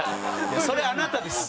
それあなたです。